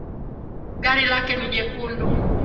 Gari lake ni jekundu.